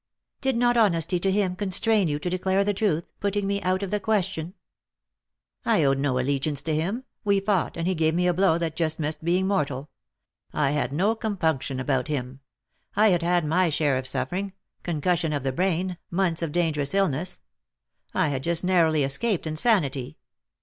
" Did not honesty to him constrain you to declare the truth, putting me out of the question ?" 324 Lost for Love. " I owed sio allegiance to him. We fought, and he gave me a blow that just missed being mortal. I had no compunction about him. I had had my share of suffering — concussion of the brain, months of dangerous illness. I had just narrowly escaped insanity.